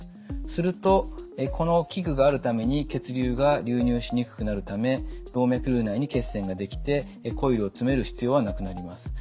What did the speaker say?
するとこの器具があるために血流が流入しにくくなるため動脈瘤内に血栓ができてコイルを詰める必要はなくなります。